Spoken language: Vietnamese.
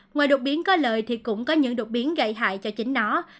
ngoài đột biến có lợi thì cũng có những đột biến gây hại cho chính nó